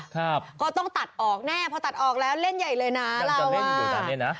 ครับก็ต้องตัดออกแน่พอตัดออกแล้วเล่นใหญ่เลยนะเราเล่นอยู่ตอนนี้นะ